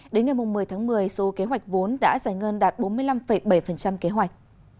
đến ngày một mươi tháng một mươi số kế hoạch vốn đã giải ngân đạt bốn mươi năm bảy kế hoạch